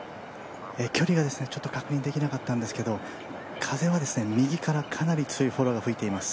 距離がちょっと確認できなかったんですけど風は右からかなり強いフォローが吹いています。